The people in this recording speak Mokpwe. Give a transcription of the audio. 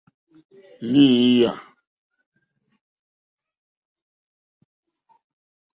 Lééyà.